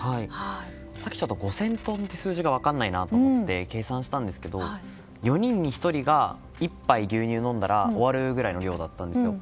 さっき５０００トンっていう数字が分からないなと思って計算したんですが４人に１人が１杯牛乳飲んだら終わるぐらいの量だったんですよ。